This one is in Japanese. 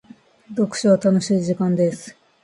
読書は楽しい時間です。